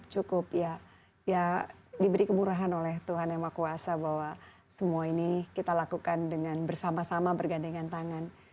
cukup ya diberi kemurahan oleh tuhan yang maha kuasa bahwa semua ini kita lakukan dengan bersama sama bergandengan tangan